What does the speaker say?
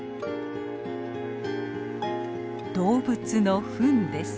動物のふんです。